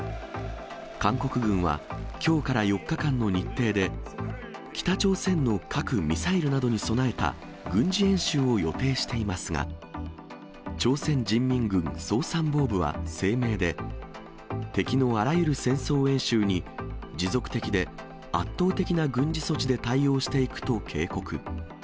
韓国軍は、きょうから４日間の日程で、北朝鮮の核・ミサイルなどに備えた軍事演習を予定していますが、朝鮮人民軍総参謀部は声明で、敵のあらゆる戦争演習に、持続的で圧倒的な軍事措置で対応していくと警告。